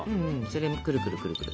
それをくるくるくるくる。